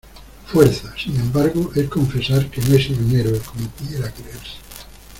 fuerza, sin embargo , es confesar que no he sido un héroe , como pudiera creerse.